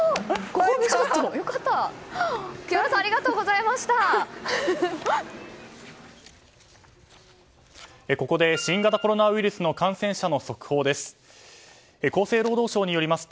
ここで新型コロナウイルスの感染者の速報です。